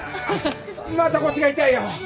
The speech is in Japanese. また腰が痛いよ。